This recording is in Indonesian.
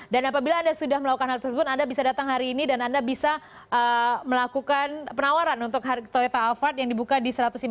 dan apabila anda sudah melakukan hal tersebut anda bisa datang hari ini dan anda bisa melakukan penawaran untuk toyota alphard yang dibuka di satu ratus lima puluh tiga